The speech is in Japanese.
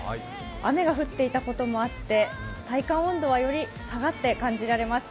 雨が降っていたこともあって体感温度はより下がって感じられます。